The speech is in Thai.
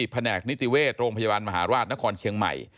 แผนกนิติเวชโรงพยาบาลมหาราชนครเชียงใหม่